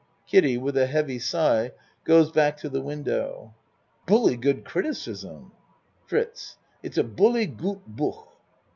(Kiddie with a heavy sigh goes back to the window.) Bully good criticism. FRITZ It's a bully good book.